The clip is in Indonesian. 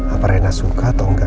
apa rena suka atau enggak